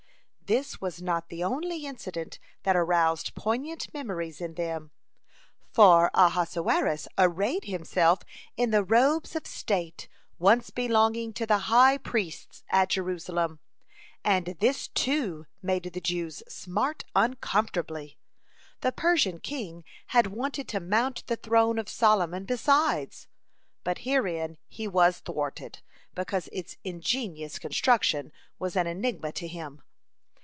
(11) This was not the only incident that aroused poignant memories in them, for Ahasuerus arrayed himself in the robes of state once belonging to the high priests at Jerusalem, and this, too, made the Jews smart uncomfortably. (12) The Persian king had wanted to mount the throne of Solomon besides, but herein he was thwarted, because its ingenious construction was an enigma to him.